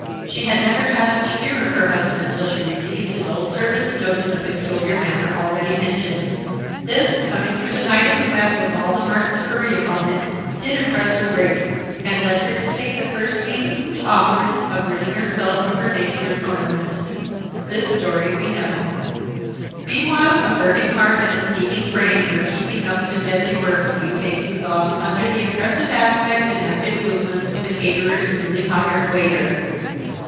She had never had much fear of her husband till she received his old servant's note in the peculiar manner already mentioned. This, coming through the night and the wet and with all the marks of hurry upon it, did impress her greatly and led her to take the first means which offered of ridding herself of her dangerous ornament. The story of this we know. Meanwhile, a burning heart and a scheming brain were keeping up their deadly work a few paces off under the impassive aspect and active movements of the caterer's newly hired waiter.